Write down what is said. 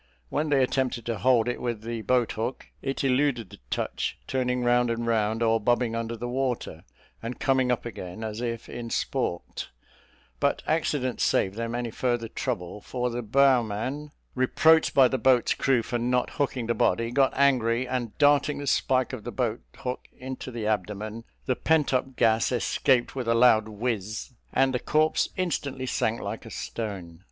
When they attempted to hold it with the boat hook, it eluded the touch, turning round and round, or bobbing under the water, and coming up again, as if in sport: but accident saved them any further trouble; for the bowman, reproached by the boat's crew for not hooking the body, got angry, and darting the spike of the boat hook into the abdomen, the pent up gas escaped with a loud whiz, and the corpse instantly sank like a stone.